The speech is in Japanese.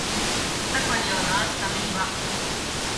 肩こりを治すためには